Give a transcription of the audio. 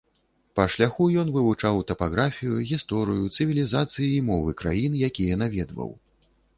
Па шляху ён вывучаў тапаграфію, гісторыю, цывілізацыі і мовы краін, якія наведваў.